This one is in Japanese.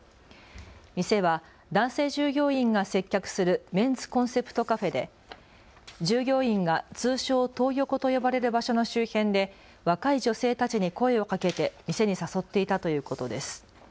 店は男性従業員が接客するメンズコンセプトカフェで従業員が通称トー横と呼ばれる場所の周辺で若い女性たちに声をかけて店に誘っていたということです。